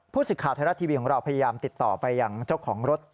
สิทธิ์ข่าวไทยรัฐทีวีของเราพยายามติดต่อไปยังเจ้าของรถ